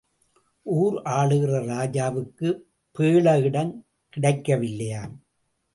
ஊர் ஆளுகிற ராஜாவுக்குப் பேள இடம் கிடைக்கவில்லையாம்.